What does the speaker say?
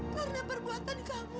karena perbuatan kamu